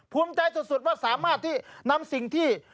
ภูมิใจสุดว่าสามารถที่นำสิ่งที่